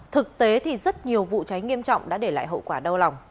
thực tế thì rất nhiều vụ cháy nghiêm trọng đã để lại hậu quả đau lòng